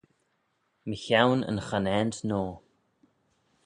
Mychione yn Chonaant Noa.